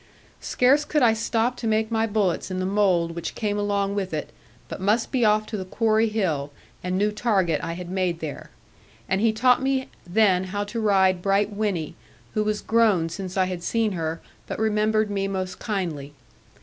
Scarce could I stop to make my bullets in the mould which came along with it, but must be off to the Quarry Hill, and new target I had made there. And he taught me then how to ride bright Winnie, who was grown since I had seen her, but remembered me most kindly.